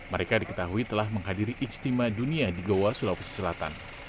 mereka diketahui telah menghadiri ijtima dunia di goa sulawesi selatan